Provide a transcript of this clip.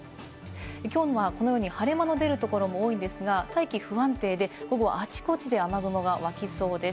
きょうはこのように晴れ間の出るところも多いんですが、大気不安定で、午後はあちこちで雨雲が湧きそうです。